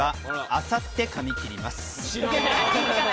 あさって髪切ります。